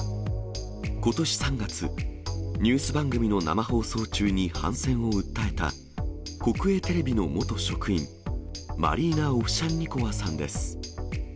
ことし３月、ニュース番組の生放送中に反戦を訴えた、国営テレビの元職員、マリーナ・オフシャンニコワさんです。